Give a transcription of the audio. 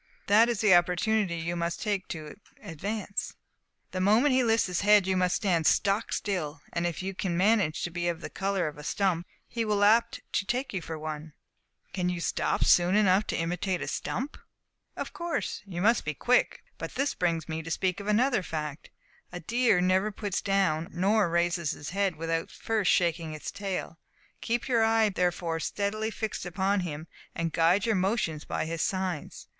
That is the opportunity you must take to advance. The moment he lifts his head you must stand stock still; and if you can manage to be of the colour of a stump, he will be apt to take you for one." "But can you stop soon enough to imitate a stump!" "Of course you must be quick; but this brings me to speak of another fact. A deer never puts down nor raises his head without first shaking his tail. Keep your eye therefore steadily fixed upon him, and guide your motions by his signs.